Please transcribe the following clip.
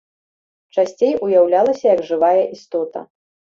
Часцей уяўлялася як жывая істота.